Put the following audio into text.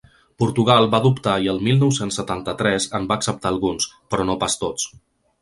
Portugal va dubtar i el mil nou-cents setanta-tres en va acceptar alguns, però no pas tots.